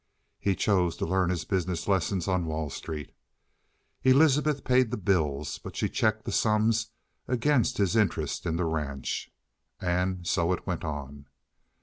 He chose to learn his business lessons on Wall Street. Elizabeth paid the bills, but she checked the sums against his interest in the ranch. And so it went on.